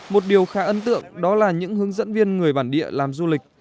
một điều khá ấn tượng đó là những hướng dẫn viên người bản địa làm du lịch